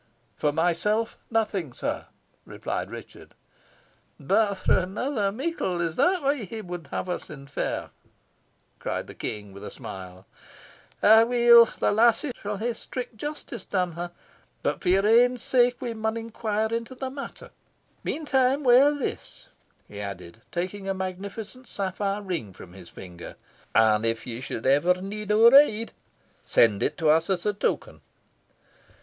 "For myself nothing, sire," replied Richard. "But for another meikle is that what ye wad hae us infer?" cried the King, with a smile. "Aweel, the lassie shall hae strict justice done her; but for your ain sake we maun inquire into the matter. Meantime, wear this," he added, taking a magnificent sapphire ring from his finger, "and, if you should ever need our aid, send it to us as a token."